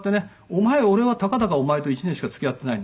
「お前俺はたかだかお前と１年しか付き合ってないんだ」